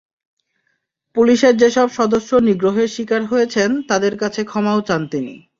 পুলিশের যেসব সদস্য নিগ্রহের শিকার হয়েছেন, তাঁদের কাছে ক্ষমাও চান তিনি।